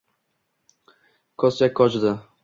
kostjak ƶojida